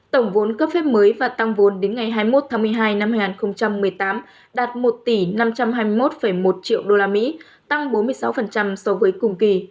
tổng vốn cấp phép mới và tăng vốn đến ngày hai mươi một tháng một mươi hai năm hai nghìn một mươi tám đạt một tỷ năm trăm hai mươi một một triệu usd tăng bốn mươi sáu so với cùng kỳ